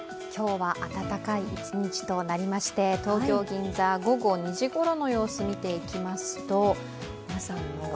今日は暖かい一日となりまして、東京・銀座、午後２時ごろの様子を見ていきますと皆さん